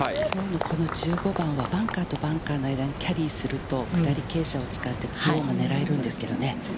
この１５番はバンカーとバンカーの間に、キャリーすると、下り傾斜を使って、ツーオンが狙えるんですけどね。